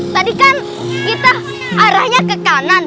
tadi kan kita arahnya ke kanan